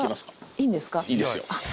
いいですよ。